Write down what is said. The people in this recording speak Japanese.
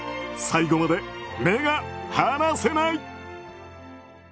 最後まで目が離せない。